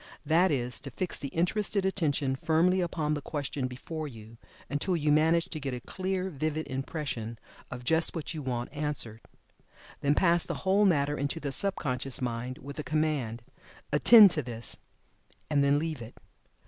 That is, to fix the interested attention firmly upon the question before you, until you manage to get a clear, vivid impression of just what you want answered. Then pass the whole matter into the sub conscious mind with the command "Attend to this," and then leave it.